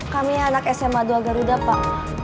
kami anak sma dua garuda pak